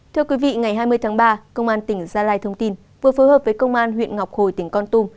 thưa quý vị ngày hai mươi tháng ba công an tỉnh gia lai thông tin vừa phối hợp với công an huyện ngọc hồi tỉnh con tum